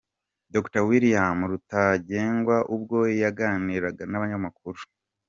Dr William Rutagengwa ubwo yaganiraga n'abanyamakuru .